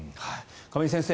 亀井先生